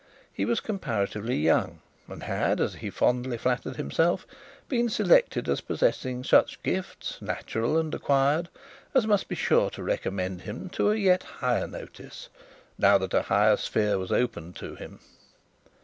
He was comparatively young, and had, as he fondly flattered himself, been selected as possessing such gifts, natural and acquired, as must be sure to recommend him to a yet higher notice, now that a higher sphere was opened to him.